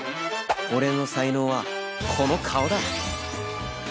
俺の才能はこの顔だ！